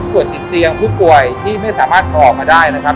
ติดเตียงผู้ป่วยที่ไม่สามารถออกมาได้นะครับ